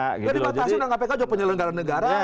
karena kpk juga penyelenggara negara